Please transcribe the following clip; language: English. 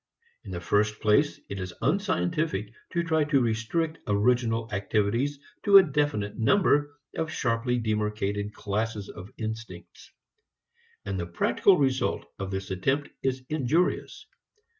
In the first place, it is unscientific to try to restrict original activities to a definite number of sharply demarcated classes of instincts. And the practical result of this attempt is injurious.